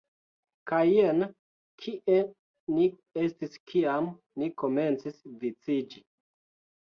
Kaj jen kie ni estis kiam ni komencis viciĝi